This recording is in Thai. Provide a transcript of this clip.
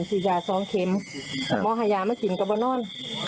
คนที่จะสองเขมโมหายามาถึงกับไวนอน